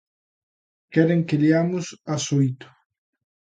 ¿Queren que leamos as oito?